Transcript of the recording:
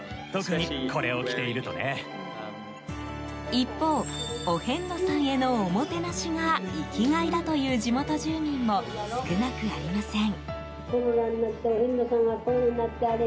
一方、お遍路さんへのおもてなしが生きがいだという地元住民も少なくありません。